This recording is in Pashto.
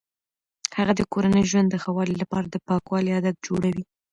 هغه د کورني ژوند د ښه والي لپاره د پاکوالي عادات جوړوي.